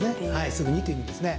すぐにという意味ですね。